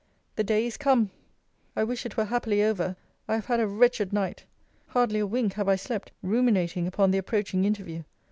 The day is come! I wish it were happily over. I have had a wretched night. Hardly a wink have I slept, ruminating upon the approaching interview.